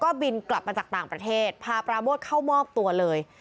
ก็บินกลับมาจากต่างประเทศพาปราโมทเข้ามอบตัวเลย